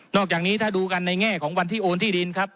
อกจากนี้ถ้าดูกันในแง่ของวันที่โอนที่ดินครับ